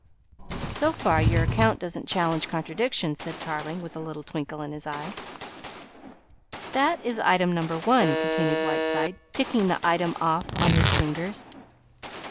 "So far your account doesn't challenge contradiction," said Tarling with a little twinkle in his eye. "That is item number one," continued Whiteside, ticking the item off on his fingers.